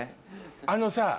あのさ